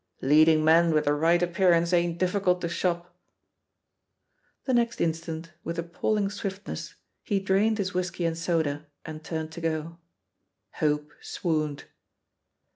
"Leading men with the right appear ance ain't difficult to shop." The next instant, with appalling swiftness, he drained his whisky and soda and turned to go. Hope swooned.